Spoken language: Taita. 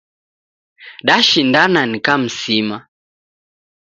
Dashindana, nikamsima.